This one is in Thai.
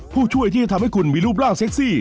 ผู้ช่วยที่จะทำให้คุณมีรูปร่างเซ็กซี่